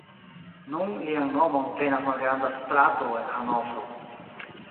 Nun lian nomon tenas malgranda strato en Hanovro.